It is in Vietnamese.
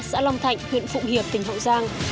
xã long thạnh huyện phụng hiệp tỉnh hậu giang